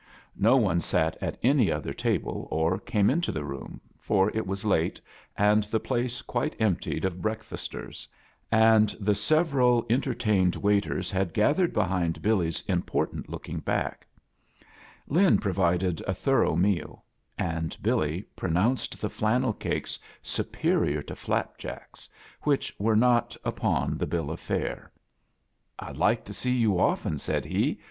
No one sat at any other table or came into the room, for it was late, and the place quite emptied of breakfasters, and the several entertained waiters had gatfiered behind Billy's important looking back. Lin pro vided a thorough meal, and Billy pro notinced the flannel cakes superior to flap ijacks, which were not upon the bill of fare. %/* A JOURNEY IN SEARCH OF CHRISTMAS "Fd lite to see yoa often," said he.